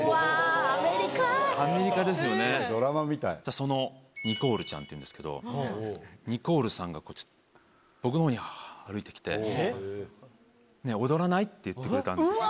そのニコールちゃんっていうんですけどニコールさんが僕のほうに歩いてきて。って言ってくれたんですよ。